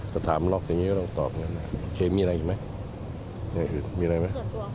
ถ้าถามหลอกอย่างนี้ก็ต้องตอบนะโอเคมีอะไรอีกไหม